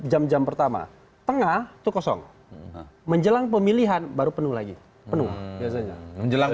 jam jam pertama tengah itu kosong menjelang pemilihan baru penuh lagi penuh biasanya menjelang